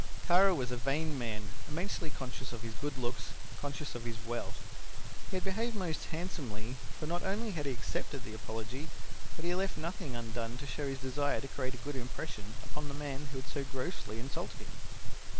Kara was a vain man, immensely conscious of his good looks, conscious of his wealth. He had behaved most handsomely, for not only had he accepted the apology, but he left nothing undone to show his desire to create a good impression upon the man who had so grossly insulted him.